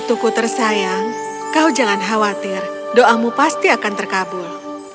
akuku tersayang kau jangan khawatir doamu pasti akan terkabul